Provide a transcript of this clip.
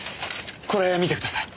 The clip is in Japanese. これ見てください。